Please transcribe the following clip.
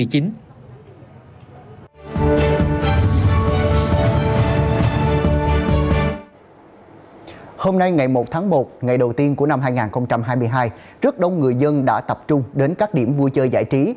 hôm nay ngày một tháng một ngày đầu tiên của năm hai nghìn hai mươi hai rất đông người dân đã tập trung đến các điểm vui chơi giải trí